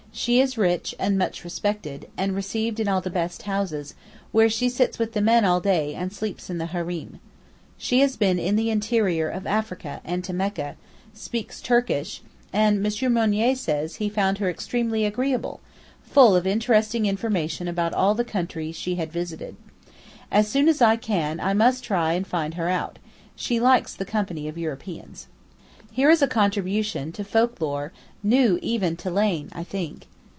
She is rich and much respected, and received in all the best houses, where she sits with the men all day and sleeps in the hareem. She has been in the interior of Africa and to Mecca, speaks Turkish, and M. Mounier says he found her extremely agreeable, full of interesting information about all the countries she had visited. As soon as I can talk I must try and find her out; she likes the company of Europeans. Here is a contribution to folk lore, new even to Lane I think.